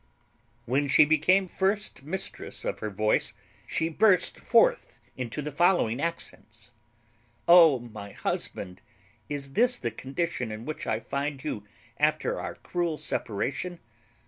When she became first mistress of her voice she burst forth into the following accents: "O my husband! Is this the condition in which I find you after our cruel separation?